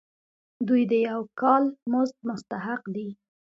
دوی د یو کال مزد مستحق دي.